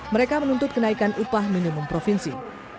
mereka menuntut kenaikan upah minimum provinsi